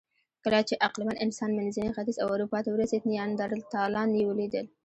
کله چې عقلمن انسان منځني ختیځ او اروپا ته ورسېد، نیاندرتالان یې ولیدل.